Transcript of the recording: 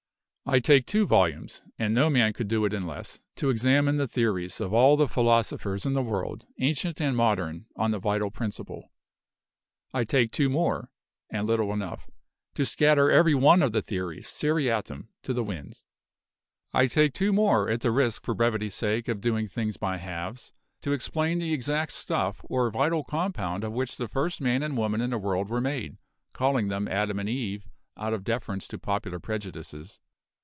I take two volumes (and no man could do it in less) to examine the theories of all the philosophers in the world, ancient and modern, on the Vital Principle. I take two more (and little enough) to scatter every one of the theories, seriatim, to the winds. I take two more (at the risk, for brevity's sake, of doing things by halves) to explain the exact stuff, or vital compound, of which the first man and woman in the world were made calling them Adam and Eve, out of deference to popular prejudices.